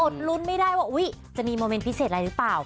ลุ้นไม่ได้ว่าจะมีโมเมนต์พิเศษอะไรหรือเปล่า